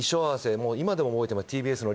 今でも覚えてます